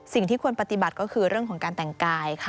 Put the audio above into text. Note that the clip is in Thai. สิ่งที่ควรปฏิบัติก็คือเรื่องของการแต่งกายค่ะ